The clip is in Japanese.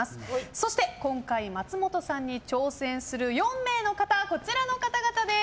そして、今回松本さんに挑戦する４名の方こちらの方々です。